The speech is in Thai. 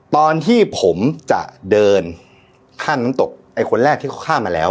ตอนที่ผมจะเดินข้างน้ำตกไอ้คนแรกที่เขาข้ามมาแล้ว